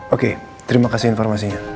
oke terima kasih informasinya